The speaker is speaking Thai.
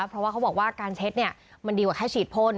เพราะว่าเขาบอกว่าการเช็ดมันดีกว่าแค่ฉีดพ่น